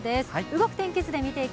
動く天気図です。